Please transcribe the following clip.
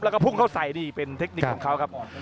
แล้วก็พุ่งเข้าใส่นี่เป็นเทคนิคของเขาครับ